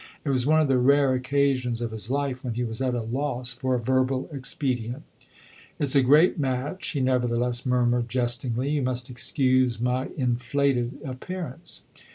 It was one of the rare occasions of his life when he was at a loss for a verbal expedient. "It 's a great match," he nevertheless murmured, jestingly. "You must excuse my inflated appearance."